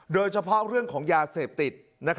โดยเฉพาะเรื่องของยาเสพติด